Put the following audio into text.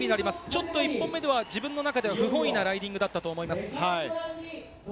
ちょっと１本目では自分の中では不本意なライディングだったと思います。